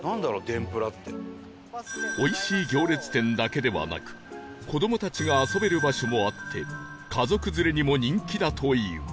おいしい行列店だけではなく子どもたちが遊べる場所もあって家族連れにも人気だという